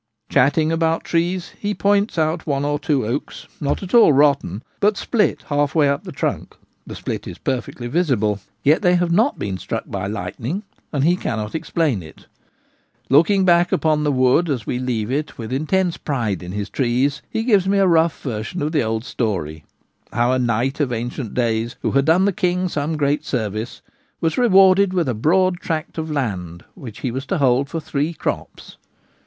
Chatting about trees, he points out one or two oaks, not at all rotten, but split half way up the trunk — the split is perfectly visible — yet they have not been struck by lightning ; and he cannot explain it Looking back upon the wood as we leave it with intense pride in his trees, he gives me a rough version of the old story : how a knight of ancient days, who had done the king some great service, was rewarded with a broad tract of land which he was to hold for three crops.